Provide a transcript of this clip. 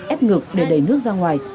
êp ngực để đẩy nước ra ngoài